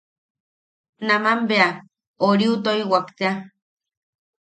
Naman bea... oriu... toiwak tea.